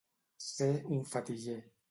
Ser un fetiller.